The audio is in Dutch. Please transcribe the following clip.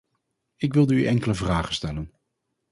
Ik wilde u enkele vragen stellen.